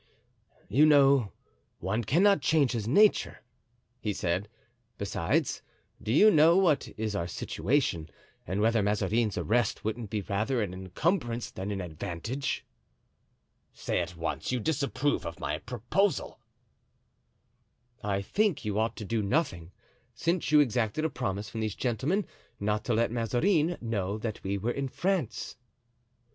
"You know one cannot change his nature," he said. "Besides, do you know what is our situation, and whether Mazarin's arrest wouldn't be rather an encumbrance than an advantage?" "Say at once you disapprove of my proposal." "I think you ought to do nothing, since you exacted a promise from these gentlemen not to let Mazarin know that we were in France."